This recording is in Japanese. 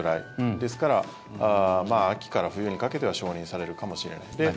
ですから、秋から冬にかけては承認されるかもしれない。